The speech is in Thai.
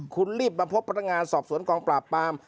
คุณรีบมาพบพนักงานสอบสวนกองปราบปาม